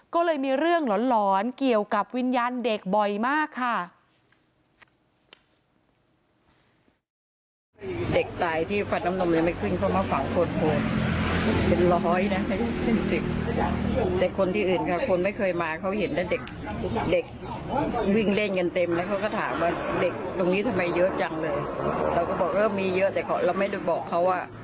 ก็เลยมีเรื่องหลอนเกี่ยวกับวิญญาณเด็กบ่อยมากค่ะ